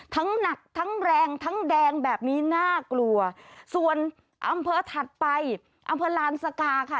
หนักทั้งแรงทั้งแดงแบบนี้น่ากลัวส่วนอำเภอถัดไปอำเภอลานสกาค่ะ